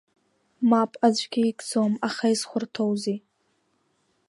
Мап аӡәгьы икӡом, аха изхәарҭоузеи?